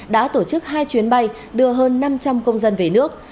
đã tổ chức hai chuyến bay đưa hơn năm trăm linh công dân về nước